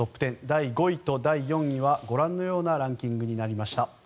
第５位と第４位はご覧のようなランキングになりました。